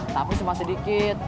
tapi cuma sedikit